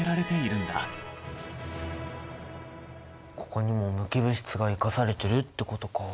ここにも無機物質が生かされてるってことか。